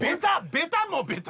ベタもベタ。